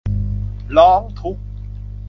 ร้องทุกข์